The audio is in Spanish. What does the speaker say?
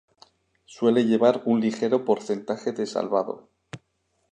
Suele llevar un ligero porcentaje de salvado.